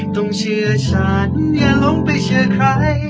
ต้องเชื่อฉันอย่าลงไปเชื่อใคร